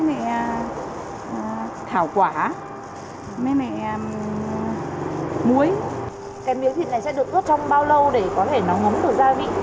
cái miếng thịt này sẽ được ướp trong bao lâu để có thể nó ngấm được gia vị